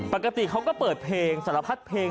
ปกติเขาก็เปิดเพลงสารพัดเพลง